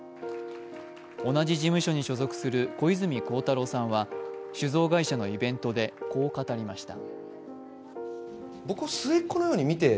同じ事務所に所属する小泉孝太郎さんは酒造会社のイベントでこう語りました。